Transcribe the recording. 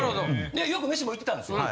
でよく飯も行ってたんですよ。